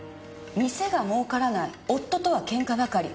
「店が儲からない」「夫とはケンカばかり」